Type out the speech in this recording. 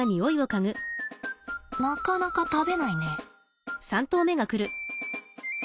なかなか食べないね。